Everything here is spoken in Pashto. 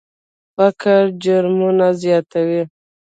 فقر جرمونه زیاتوي.